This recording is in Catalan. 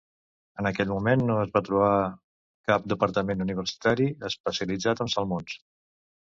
En aquell moment no es va trobar cap departament universitari especialitzat en salmons.